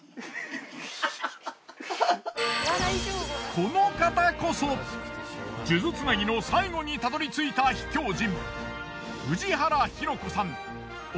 この方こそ数珠つなぎの最後にたどりついた秘境人。